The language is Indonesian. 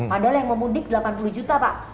padahal yang memundik delapan puluh juta pak